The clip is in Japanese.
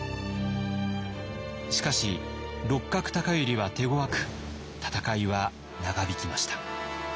しかし六角高頼は手ごわく戦いは長引きました。